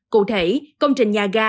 cụ thể công trình nhà gà